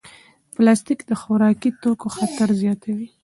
پلاستیک د خوراکي توکو خطر زیاتوي.